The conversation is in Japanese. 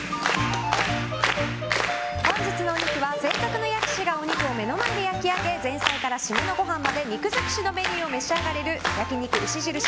本日のお肉は、専属の焼き師がお肉を目の前で焼き上げ前菜から締めのごはんまで肉尽くしのメニューを召し上がれる焼肉牛印